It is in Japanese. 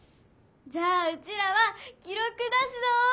じゃあうちらは記ろく出すぞ！